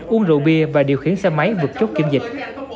uống rượu bia và điều khiển xe máy vượt chốt kiểm dịch